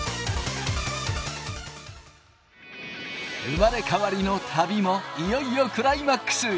生まれ変わりの旅もいよいよクライマックス。